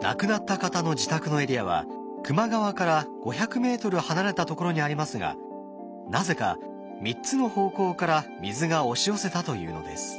亡くなった方の自宅のエリアは球磨川から５００ｍ離れたところにありますがなぜか３つの方向から水が押し寄せたというのです。